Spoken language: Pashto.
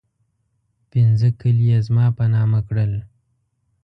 پنځه کلي یې زما په نامه کړل.